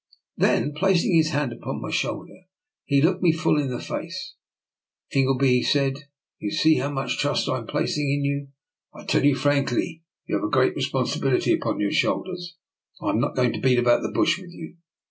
Then, placing his hand upon my shoulder, he looked me full in the face. " Ingleby," he said, " you see how much trust I am placing in you. I tell you frankly, you have a great responsibility upon your shoul ders. I am not going to beat about the bush with you.